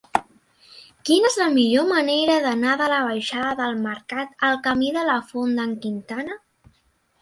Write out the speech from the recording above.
Quina és la millor manera d'anar de la baixada del Mercat al camí de la Font d'en Quintana?